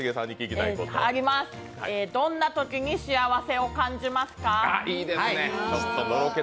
どんなときに幸せを感じますか？